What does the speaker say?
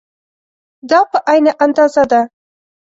دا په عین اندازه ده.